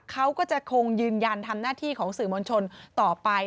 เขาก็จะคงยืนยันทำหน้าที่ของสื่อมวลชนต่อไป